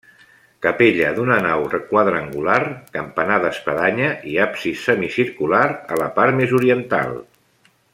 Capella d’una nau quadrangular, campanar d'espadanya i absis semicircular a la part més oriental.